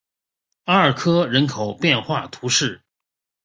阿尔科人口变化图示